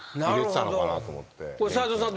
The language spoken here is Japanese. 斎藤さん